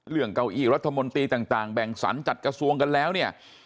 เก้าอี้รัฐมนตรีต่างแบ่งสรรจัดกระทรวงกันแล้วเนี่ย